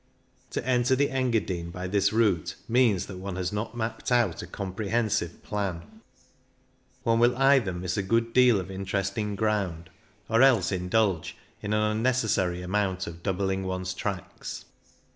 To enter the Engadine by this route means that one has not mapped out a comprehensive plan ; one will either miss a good deal of interesting ground or else indulge in an unnecessary amount of doubling one's tracks.